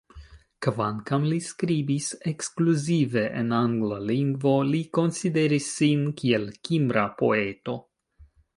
Kvankam li skribis ekskluzive en angla lingvo, li konsideris sin kiel kimra poeto.